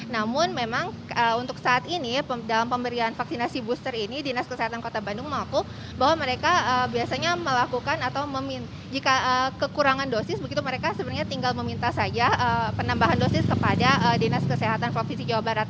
namun memang untuk saat ini dalam pemberian vaksinasi booster ini dinas kesehatan kota bandung mengaku bahwa mereka biasanya melakukan atau jika kekurangan dosis begitu mereka sebenarnya tinggal meminta saja penambahan dosis kepada dinas kesehatan provinsi jawa barat